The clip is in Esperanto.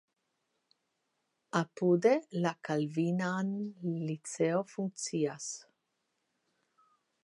Apude la kalvinana liceo funkcias.